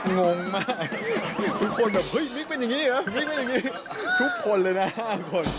งงมากทุกคนแบบเฮ้ยมิ๊กเป็นอย่างนี้เหรอมิ้งอย่างนี้ทุกคนเลยนะ๕คน